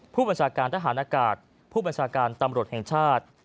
ผู้บัญชาการทหารอากาศผู้บัญชาการตำรวจแห่งชาติ